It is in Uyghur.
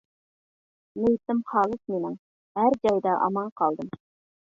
نىيىتىم خالىس مېنىڭ، ھەر جايدا ئامان قالدىم.